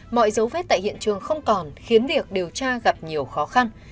mọi dấu vết tại hiện trường không còn khiến việc điều tra gặp nhiều khó khăn